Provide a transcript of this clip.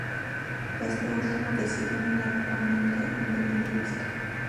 Este último de signo netamente independentista.